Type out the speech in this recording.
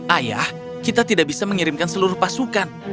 ayah kita tidak bisa mengirimkan seluruh pasukan